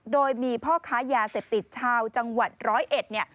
โดยมีพ่อค้ายาเสพติดชาวจังหวัดร้อยเอ็ดเนี่ย